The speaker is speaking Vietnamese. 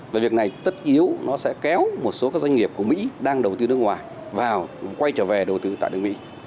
và việc này tất yếu nó sẽ kéo một số các doanh nghiệp của mỹ đang đầu tư nước ngoài vào quay trở về đầu tư tại nước mỹ